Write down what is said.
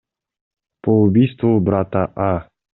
по убийству брата А.